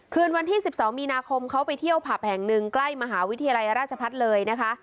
คืนวันที่๑๒มีนาคมเขาไปเที่ยวผับแห่งหนึ่งใกล้มหาวิทยาลัยราชพัฒน์เลยนะคะ